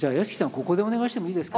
ここでお願いしてもいいですか？